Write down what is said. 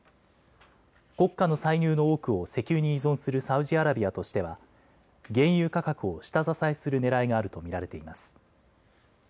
国家の歳入の多くを石油に依存するサウジアラビアとしては原油価格を下支えするねらいがあると見られています。